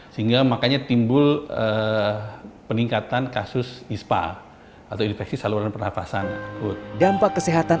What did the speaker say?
sehingga makanya timbul peningkatan kasus ispa atau infeksi saluran pernafasan dampak kesehatan